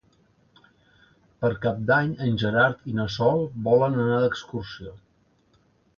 Per Cap d'Any en Gerard i na Sol volen anar d'excursió.